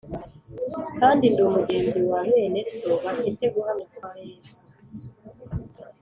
kandi ndi mugenzi wa bene So bafite guhamya kwa Yesu